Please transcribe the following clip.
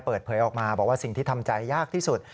เปิดเผยออกมาบอกว่าสิ่งที่ทำใจยากที่สุด